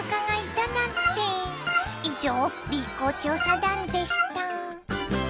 以上Ｂ公調査団でした。